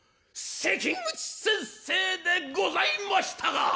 関口先生でございましたか！」。